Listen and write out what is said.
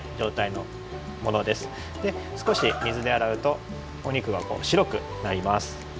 ですこし水であらうとおにくが白くなります。